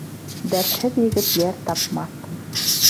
Дәртһеҙ егет йәр тапмаҫ.